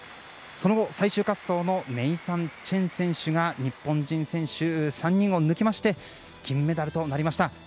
その後、最終滑走のネイサン・チェン選手が日本人選手３人を抜きまして金メダルとなりました。